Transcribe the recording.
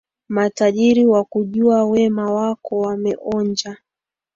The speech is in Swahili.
Matajiri wakujua, wema wako wameonja,